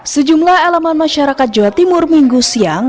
sejumlah elemen masyarakat jawa timur minggu siang